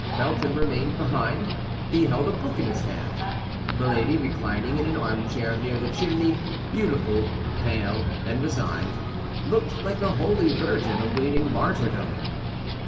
Felton remained behind; he held a book in his hand. Milady, reclining in an armchair near the chimney, beautiful, pale, and resigned, looked like a holy virgin awaiting martyrdom.